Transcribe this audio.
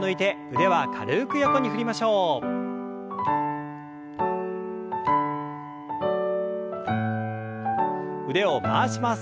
腕を回します。